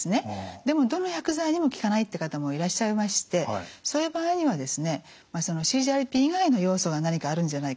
でもどの薬剤にも効かないって方もいらっしゃいましてそういう場合にはですねＣＧＲＰ以外の要素が何かあるんじゃないかってことですね。